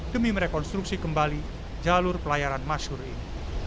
demi merekonstruksi kembali jalur pelayaran masyur ini